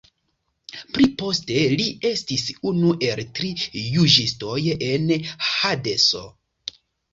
Pli poste li estis unu el tri juĝistoj en Hadeso.